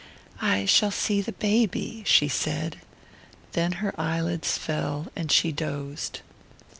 "I shall see the baby," she said; then her eyelids fell and she dozed.